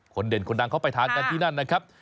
เด่นคนดังเขาไปทานกันที่นั่นนะครับ